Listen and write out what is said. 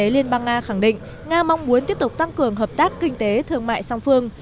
liên bang nga khẳng định nga mong muốn tiếp tục tăng cường hợp tác kinh tế thương mại song phương